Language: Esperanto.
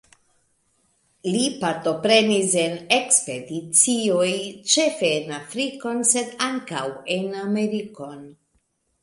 Li partoprenis en ekspedicioj, ĉefe en Afrikon, sed ankaŭ en Amerikon.